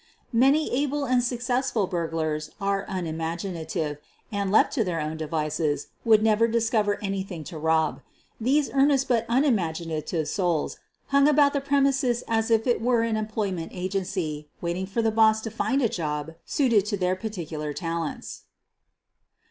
Many able and successful burglars are unimagi native, and, left to their own devices, would never discover anything to rob. These earnest but un imaginative souls hung about the premises as if it were an employment agency waiting for the "boss" to find a job suited to their particular talents.